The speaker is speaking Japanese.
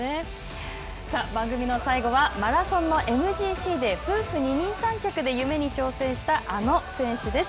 番組の最後はマラソンのＭＧＣで夫婦二人三脚で夢に挑戦したあの選手です。